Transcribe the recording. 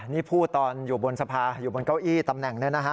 นี่ผู้ตอนอยู่บนสะพาอยู่บนเก้าอี้ตำแหน่งนะครับ